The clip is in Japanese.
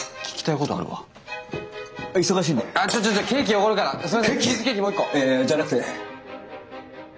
いやじゃなくて。